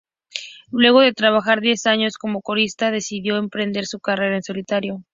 Luego de trabajar diez años como corista, decidió emprender su carrera en solitario.